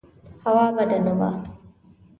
هوا بده نه وه.